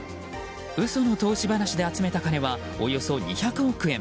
嘘の投資話で集めた金はおよそ２００億円。